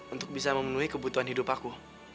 untuk bisa memenuhi kebutuhan hidup aku